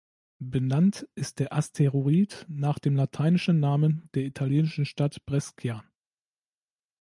Benannt ist der Asteroid nach dem lateinischen Namen der italienischen Stadt Brescia.